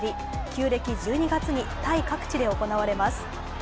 旧暦１２月にタイ各地で行われます。